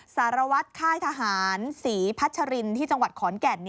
สารวัตรค่ายทหารศรีพัชรินที่จังหวัดขอนแก่น